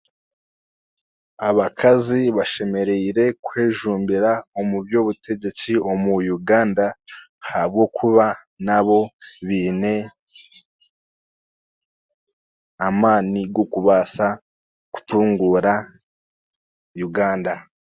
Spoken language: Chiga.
Abakazi bashemereire kwejumbira omu by'obutegyeki omu Uganda ahakuba nabo baine amaani g'okubaasa kutunguura Uganda